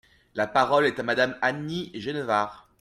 La parole est à Madame Annie Genevard.